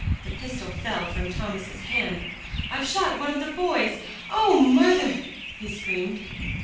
The pistol fell from Thomas's hand. "I've shot one of the boys. Och, murther!" he screamed.